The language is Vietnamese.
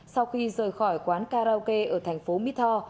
sau khi rời khỏi quán karaoke ở thành phố mỹ tho